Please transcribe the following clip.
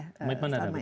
komitmen ada betul